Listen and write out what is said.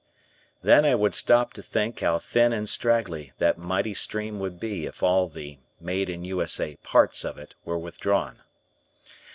Then I would stop to think how thin and straggly that mighty stream would be if all the "Made in U. S. A." parts of it were withdrawn.